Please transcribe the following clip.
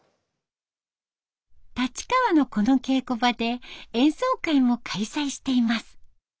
立川のこの稽古場で演奏会も開催しています。